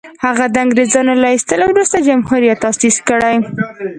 هغه د انګرېزانو له ایستلو وروسته جمهوریت تاءسیس کړي.